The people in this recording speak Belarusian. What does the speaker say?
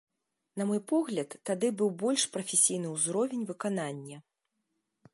На мой погляд, тады быў больш прафесійны ўзровень выканання.